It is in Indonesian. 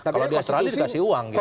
kalau di australia dikasih uang gitu